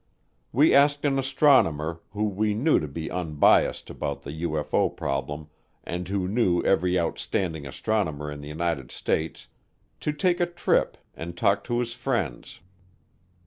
We asked an astronomer, whom we knew to be unbiased about the UFO problem and who knew every outstanding astronomer in the United States, to take a trip and talk to his friends.